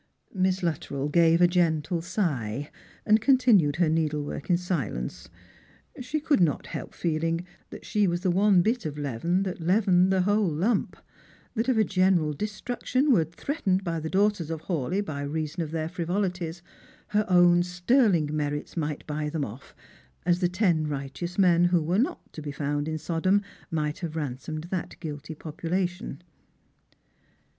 Miss LuttreU gave a gentle sigh, and continued her needlework in silence. She could not help feeling that she was the one bit of leaven that leavened the wliole lump; that if a general de struction were threatened the daughters of Hawleigh by reason of their frivolities, her own sterling merits might buy them off— as the ten vighteous men who were not to be found in Sodom might have r^iasomed that guilty population.